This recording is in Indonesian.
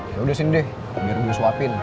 yaudah sini deh biar gue suapin